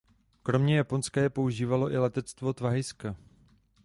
Kromě Japonska je používalo i letectvo Thajska.